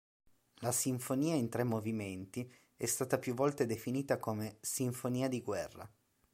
La Sinfonia in tre movimenti è stata più volte definita come "Sinfonia di guerra".